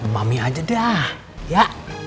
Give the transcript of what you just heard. mami aja dah ya